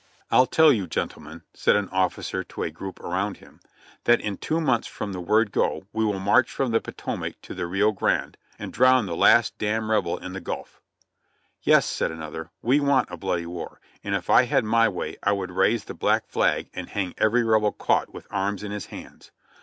•'I'll tell you, gentlemen," said an officer to a group around him, '"that in two months from the word go we will march from the Potomac to the Rio Grande and drown the last d — n Rebel in the Gulf !" ''Yes," said another, "we want a bloody war, and if I had my way I would raise the black flag and hang every Rebel caught with arms in his hands!"